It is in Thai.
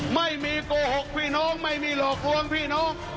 ไม่มีโกหกพี่น้องไม่มีหลอกลวงพี่น้อง